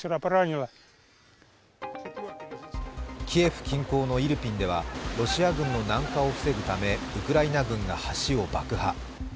キエフ近郊のイルピンではロシア軍の南下を防ぐためウクライナ軍が橋を爆破。